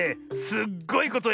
すっごいこと？